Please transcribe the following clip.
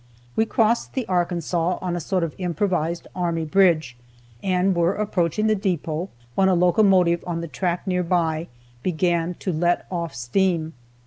We crossed the Arkansas on a sort of improvised army bridge, and were approaching the depot, when a locomotive on the track near by began to let off steam.